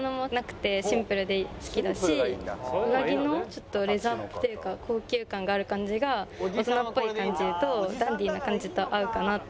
上着のちょっとレザーっていうか高級感がある感じが大人っぽい感じとダンディーな感じと合うかなと思いました。